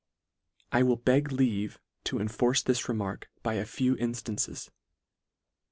c I will beg leave to enforce this remark by a few inftances.